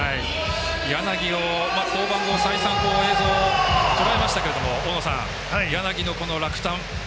柳、降板後再三、映像をとらえましたけども柳の落胆。